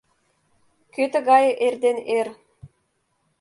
Кӧ тыгае эрден эр